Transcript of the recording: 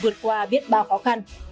vượt qua biết bao khó khăn